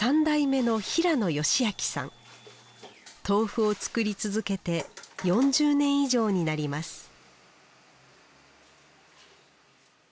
豆腐を作り続けて４０年以上になります